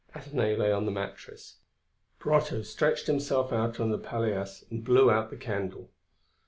Athenaïs lay on the mattress. Brotteaux stretched himself on the palliasse and blew out the candle.